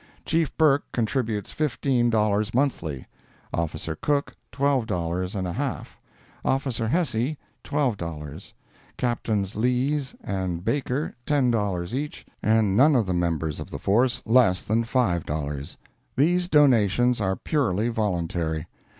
Chief Burke contributes fifteen dollars monthly; officer Cook, twelve dollars and a half; officer Hesse, twelve dollars; Captains Lees and Baker, ten dollars each, and none of the members of the force less than five dollars. These donations are purely voluntary.